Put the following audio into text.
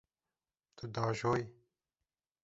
Tu diajoyî.